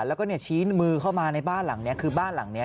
แล้วก็ชี้มือเข้ามาในบ้านหลังนี้คือบ้านหลังนี้